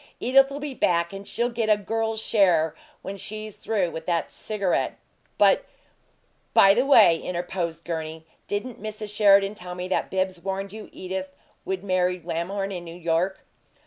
Edith'll be back, and she'll get a girl's share when she's through with that cigarette, but " "By the way," interposed Gurney, "didn't Mrs. Sheridan tell me that Bibbs warned you Edith would marry Lamhorn in New York?"